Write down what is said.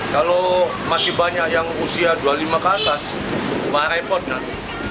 kalau masih banyak yang usia dua puluh lima ke atas mah repot nanti